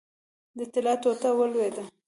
د طلا ټوټه ولوېده.